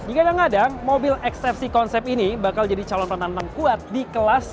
jika gak ngadang mobil xfc concept ini bakal jadi calon penantang kuat di kelas xf c